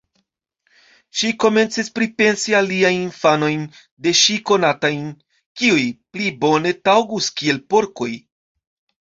Ŝi komencis pripensi aliajn infanojn de ŝi konatajn, kiuj pli bone taŭgus kiel porkoj.